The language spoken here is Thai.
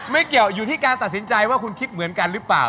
ไม่เกี่ยวอยู่ที่การตัดสินใจว่าคุณคิดเหมือนกันหรือเปล่า